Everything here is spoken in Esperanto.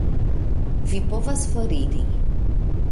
Vi povas foriri.